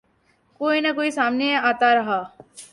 کوئی نہ کوئی مسئلہ سامنے آتا رہا۔